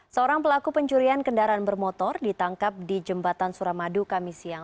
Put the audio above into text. seorang pelaku pencurian kendaraan bermotor ditangkap di jembatan suramadu kami siang